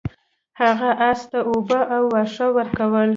هغه اس ته اوبه او واښه ورکول.